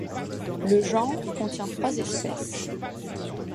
Le genre contient trois espèces.